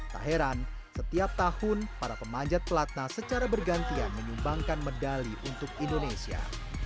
tak heran setiap tahun para pemanjat pelatna secara bergantian menyumbangkan medali untuk indonesia